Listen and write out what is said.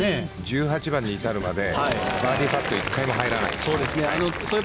１８番に至るまでバーディーパット一回も入らない。